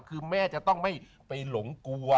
คือแม่จะต้องไม่ไปหลงกลัว